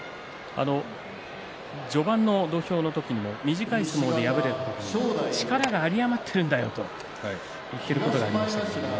序盤の土俵の時にも短い相撲で敗れると力が有り余っているんだよと言っていることがありました。